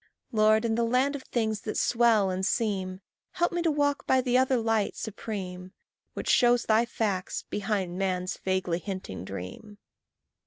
Lord, in the land of things that swell and seem, Help me to walk by the other light supreme, Which shows thy facts behind man's vaguely hinting dream.